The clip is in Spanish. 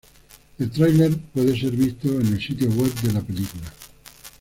El trailer puede ser visto en el sitio web de la película.